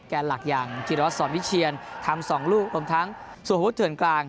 หลักอย่างธิรวัตสอนวิเชียนทำ๒ลูกรวมทั้งส่วนพุทธเถื่อนกลาง